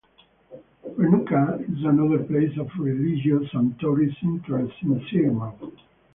Renuka is another place of religious and tourist interest in Sirmaur.